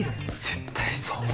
絶対そう。